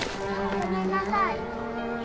ごめんなさい。